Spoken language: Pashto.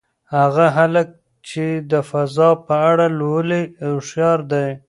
هغه هلک چې د فضا په اړه لولي هوښیار دی.